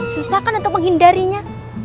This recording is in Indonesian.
susah kan untuk menghindarinya